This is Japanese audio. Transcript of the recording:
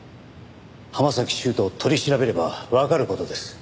浜崎修斗を取り調べればわかる事です。